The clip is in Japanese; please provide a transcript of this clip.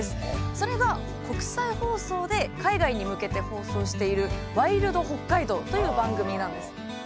それが国際放送で海外に向けて放送している「ＷｉｌｄＨｏｋｋａｉｄｏ！」という番組なんです。